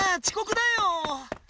ちこくだよ。